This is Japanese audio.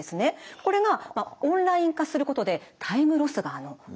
これがオンライン化することでタイムロスがなくなるんです。